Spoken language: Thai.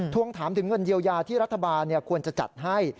วงถามถึงเงินเยียวยาที่รัฐบาลควรจะจัดให้